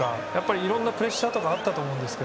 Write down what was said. いろんなプレッシャーとかあったと思うんですけど